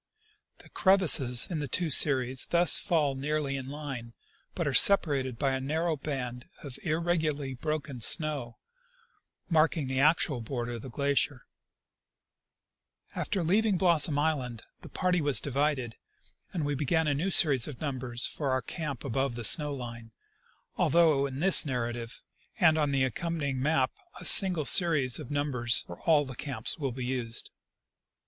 The crevasses in the two series thus fall nearly in line, but are separated by a narrow band of irregularly broken snow, marking the actual border of the glacier, f After leaving Blossom island the party was divided, and we began a new series of numbers for our camp above the snow line, although in this narrative and on the accompanying map a single series of numbers for all the camps will be used.